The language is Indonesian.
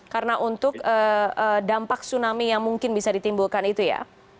karena untuk dampak tsunami yang mungkin bisa ditimbulkan itu ya